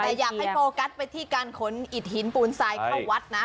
แต่อยากให้โฟกัสไปที่การขนอิดหินปูนทรายเข้าวัดนะ